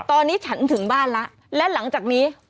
ตอนนี้ฉันถึงบ้านแล้วและหลังจากนี้